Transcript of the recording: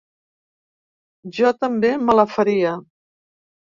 Jo també me la faria.